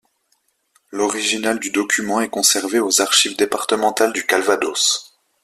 L'original du document est conservé aux archives départementales du Calvados.